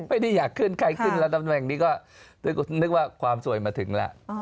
ไม่ได้อยากขึ้นใครขึ้นแล้วตำแหน่งนี้ก็นึกว่าความสวยมาถึงแล้ว